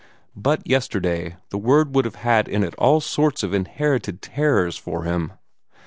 But yesterday the word would have had in it all sorts of inherited terrors for him.